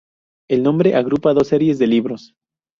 El nombre agrupa dos series de libros.